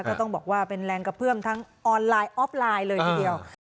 ก็ต้องบอกว่าเป็นแรงกระเพื่อมทั้งออนไลน์ออฟไลน์เลยทีเดียว